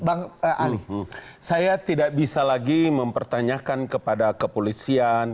bang ali saya tidak bisa lagi mempertanyakan kepada kepolisian